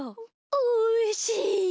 おいしい。